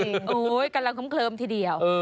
อุ๊ยกำลังเคิมเคิมทีเดียว